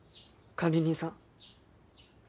管理人さん！